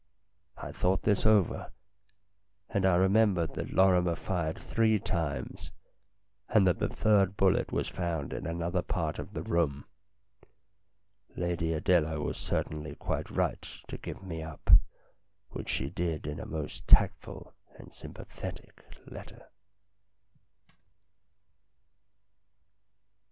I thought this over, and I remembered that Lorri mer fired three times, and that the third bullet was found in another part of the room. Lady Adela was certainly quite right to give me up, which she did in a most tactful and sympathetic letter.